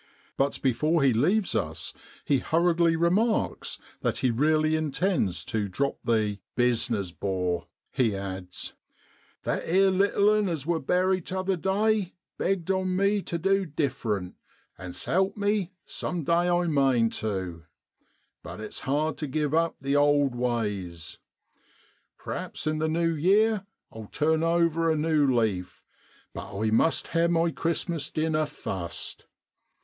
But before he leaves us he hurriedly remarks that he really intends to drop the ' bis ness 'bor,' he adds, ' that 'ere little 'un as wor buried 'tother day begged on me tu du diffrent, and s'help me, sum day I mane tu ; but it's hard tu give up the old ways. P'raps in the new yeer I'll turn over a new leaf, but I must ha' my Christ mas dinner fust.